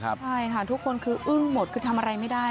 ใช่ค่ะทุกคนคืออึ้งหมดคือทำอะไรไม่ได้